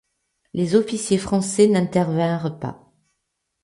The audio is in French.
Les officiers français n’intervinrent pas.